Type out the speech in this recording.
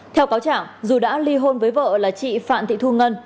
theo cáo chẳng dù đã ly hôn với vợ là chị phạm thị thu ngân